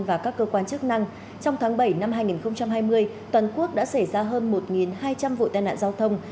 và các cơ quan chức năng trong tháng bảy năm hai nghìn hai mươi toàn quốc đã xảy ra hơn một hai trăm linh vụ tai nạn giao thông